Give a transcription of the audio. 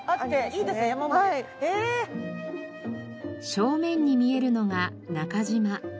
正面に見えるのが中島。